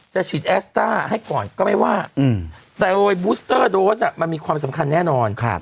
ฉีดแอสต้าให้ก่อนก็ไม่ว่าแต่โดยบูสเตอร์โดสมันมีความสำคัญแน่นอน